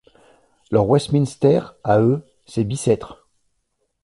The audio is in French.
Leur Westminster, à eux, c’est Bicêtre !